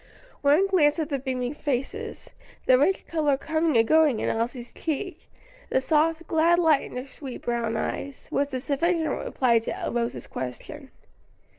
One glance at the beaming faces, the rich color coming and going in Elsie's cheek, the soft, glad light in her sweet brown eyes, was a sufficient reply to Rose's question.